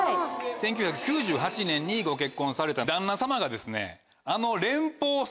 １９９８年にご結婚された旦那様がですねあの。